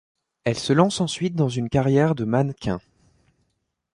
Elle se lance ensuite dans une carrière de mannequin.